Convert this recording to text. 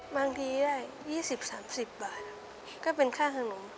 บางทีได้๒๐๓๐บาทก็เป็นค่าขนม